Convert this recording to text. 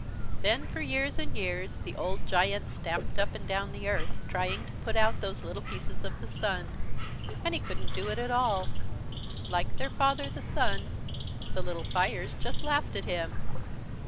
"Then for years and years the old Giant stamped up and down the Earth, trying to put out those little pieces of the Sun. And he couldn't do it at all. Like their father, the Sun, the little fires just laughed at him.